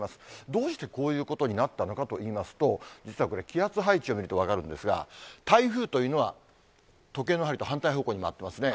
どうして、こういうことになったのかといいますと、実はこれ、気圧配置を見ると分かるんですが、台風というのは、時計の針と反対方向に回ってますね。